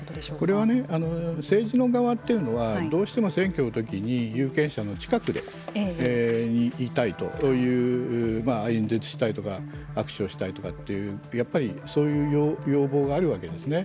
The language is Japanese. これは政治の側というのはどうしても選挙のときに有権者の近くでいたいという演説をしたりとか握手をしたいとかってやっぱりそういう要望があるわけですね。